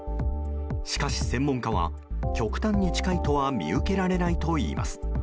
しかし、専門家は極端に近いとは見受けられないといいます。